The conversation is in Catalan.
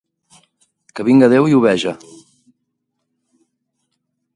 Que vinga Déu i ho veja!